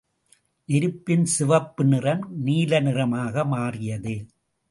நெருப்பின் சிவப்பு நிறம் நீலநிறமாக மாறியது.